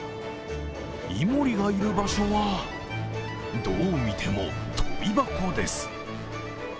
イモリがいる場所はどうみてもとび箱です。